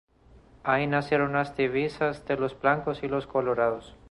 Allí nacieron las "divisas" de los "blancos" y los "colorados".